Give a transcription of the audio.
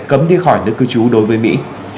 cấm đi khỏi nước cư trú đối với mỹ